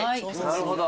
なるほど。